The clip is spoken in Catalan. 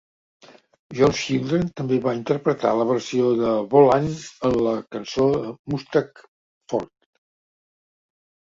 John's Children també va interpretar la versió de Bolan de la cançó "Mustang Ford".